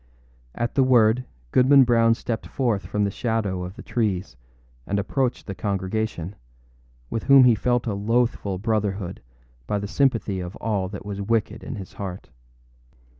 At the word, Goodman Brown stepped forth from the shadow of the trees and approached the congregation, with whom he felt a loathful brotherhood by the sympathy of all that was wicked in his heart.